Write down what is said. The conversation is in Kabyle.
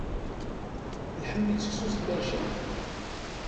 Iḥemmel seksu s tkerciwt?